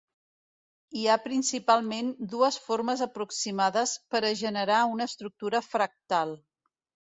Hi ha principalment dues formes aproximades per a generar una estructura fractal.